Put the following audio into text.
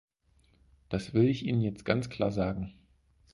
Das will ich Ihnen jetzt ganz klar sagen.